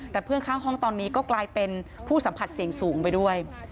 แต่เพื่อนข้างห้องตอนนี้ก็กลายเป็นผู้สัมผัสเสี่ยงสูงไปด้วย